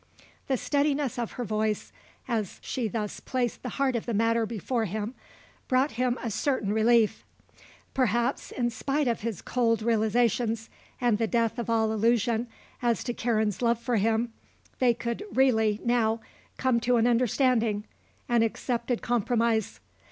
The steadiness of her voice as she thus placed the heart of the matter before him brought him a certain relief. Perhaps, in spite of his cold realizations and the death of all illusion as to Karen's love for him, they could really, now, come to an understanding, an accepted compromise.